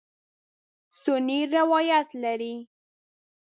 سنې روایت لري.